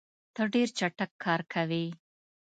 ته ډېر چټک کار کوې.